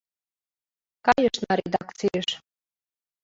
— Кайышна редакцийыш.